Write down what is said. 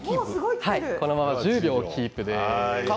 このまま１０秒キープです。